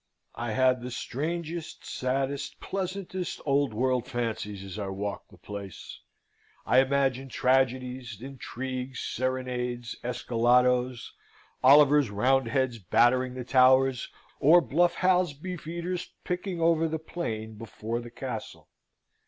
I had the strangest, saddest, pleasantest, old world fancies as I walked the place; I imagined tragedies, intrigues, serenades, escaladoes, Oliver's Roundheads battering the towers, or bluff Hal's Beefeaters pricking over the plain before the castle.